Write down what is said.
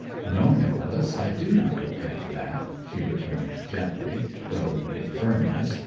'No, Nicholas, I do not repent that,' she returned gently, though with firmness.